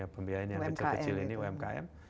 pembiayaan yang kecil kecil ini umkm